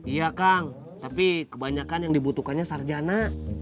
iya kang tapi kebanyakan yang dibutuhkannya sarjana